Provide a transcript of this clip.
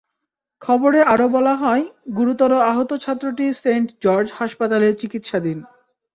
খবরে আরও বলা হয়, গুরুতর আহত ছাত্রটি সেন্ট জর্জ হাসপাতালে চিকিৎসাধীন।